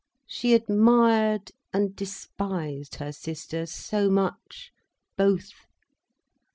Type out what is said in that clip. She admired and despised her sister so much, both!